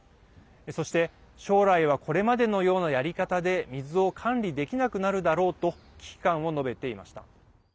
そして、将来はこれまでのようなやり方で水を管理できなくなるだろうと危機感を述べていました。